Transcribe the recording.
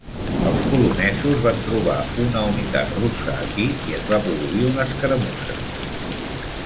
Els polonesos van trobar una unitat russa aquí i es va produir una escaramussa.